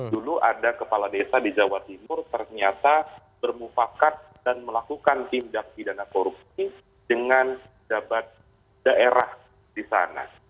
dulu ada kepala desa di jawa timur ternyata bermufakat dan melakukan tindak pidana korupsi dengan jabat daerah di sana